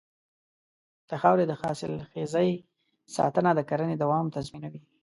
د خاورې د حاصلخېزۍ ساتنه د کرنې دوام تضمینوي.